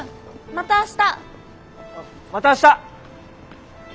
また明日！